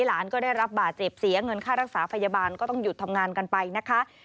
หลานก็ได้รับบาดเจ็บเสียเงินค่ารักษาพยาบาลก็ต้องหยุดทำงานกันไปนะคะ